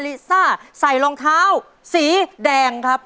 ลิซ่าใส่รองเท้าสีแดงครับ